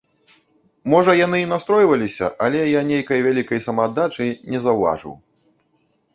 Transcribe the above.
Можа, яны і настройваліся, але я нейкай вялікай самааддачы не заўважыў.